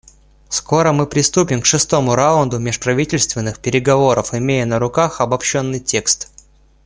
Скоро мы приступим к шестому раунду межправительственных переговоров, имея на руках обобщенный текст.